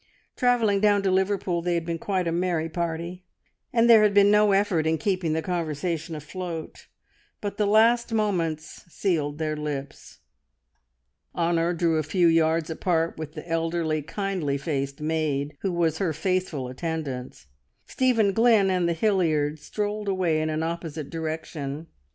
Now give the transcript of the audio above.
Travelling down to Liverpool they had been quite a merry party, and there had been no effort in keeping the conversation afloat; but the last moments sealed their lips. Honor drew a few yards apart with the elderly, kindly faced maid who was her faithful attendant; Stephen Glynn and the Hilliards strolled away in an opposite direction.